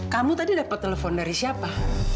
kamu tadi dapat telepon dari siapa